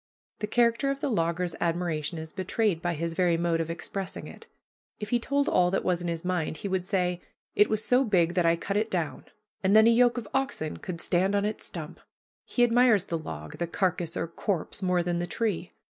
The character of the logger's admiration is betrayed by his very mode of expressing it. If he told all that was in his mind, he would say, "It was so big that I cut it down, and then a yoke of oxen could stand on its stump." He admires the log, the carcass or corpse, more than the tree.